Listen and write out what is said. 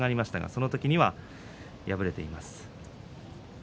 その時は敗れています。